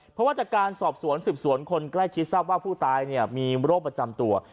เพราะว่าจากการสอบสวนสืบสวนคนใกล้ชิดทราบว่าผู้ตายมีโรคประจำตัว